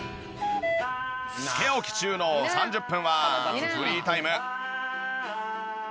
つけ置き中の３０分はフリータイム。